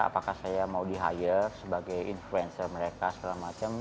apakah saya mau di hire sebagai influencer mereka segala macam